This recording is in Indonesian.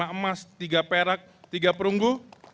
tiga emas tiga perak tiga perunggu